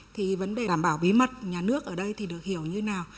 thì vấn đề đảm bảo bí mật nhà nước ở đây thì được hiểu như nào